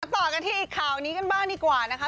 ต่อกันที่ข่าวนี้กันบ้างดีกว่านะคะ